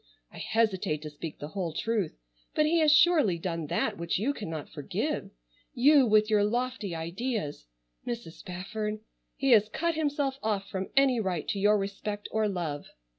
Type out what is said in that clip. I hesitate to speak the whole truth, but he has surely done that which you cannot forgive. You with your lofty ideas—Mrs. Spafford—he has cut himself off from any right to your respect or love.